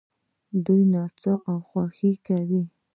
دوی نڅا او خوښي کوي.